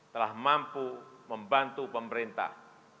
telah mampu membantu pemerintah